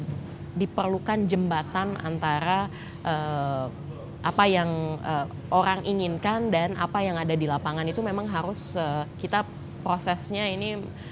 diperlukan jembatan antara apa yang orang inginkan dan apa yang ada di lapangan itu memang harus kita prosesnya ini